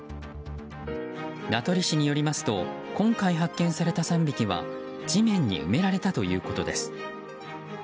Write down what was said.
名取市によりますと今回、発見された３匹は地面に埋められたということです。